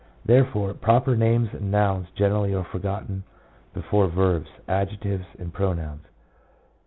There fore proper names and nouns generally are forgotten before verbs, adjectives, and pronouns.